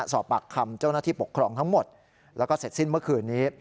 สอบปากคำเจ้าหน้าที่ปกครองทั้งหมดแล้วก็เสร็จสิ้นเมื่อคืนนี้